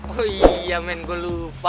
oh iya men gue lupa